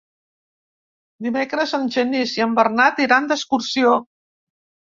Dimecres en Genís i en Bernat iran d'excursió.